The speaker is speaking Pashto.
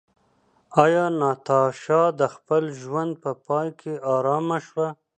ایا ناتاشا د خپل ژوند په پای کې ارامه شوه؟